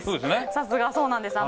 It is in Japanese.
さすがそうなんです。